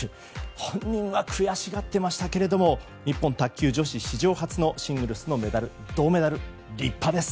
本人は悔しがっていましたけれど日本女子卓球史上初のシングルスの銅メダル立派です。